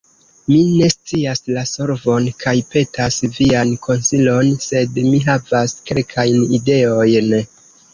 Mi ne scias la solvon, kaj petas vian konsilon, sed mi havas kelkajn ideojn.